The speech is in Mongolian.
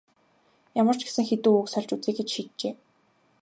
Ямар ч гэсэн хэдэн үг сольж үзье гэж шийджээ.